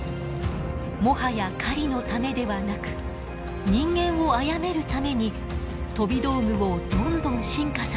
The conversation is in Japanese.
もはや狩りのためではなく人間を殺めるために飛び道具をどんどん進化させていくことになります。